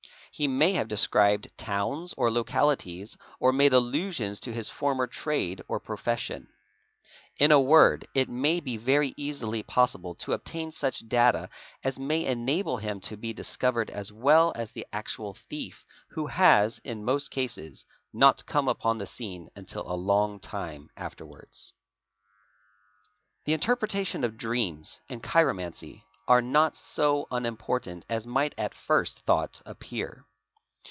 He may have described towns and localities made allusions to his former trade or profession. In a word it may very easily possible to obtain such data as may enable him to be d covered as well as the actual thief who has, in most cases, not cor upon the scene until a long time afterwards. 4 The interpretation of dreams" 8 and chiromancy are not so uni portant as might at first thought appear.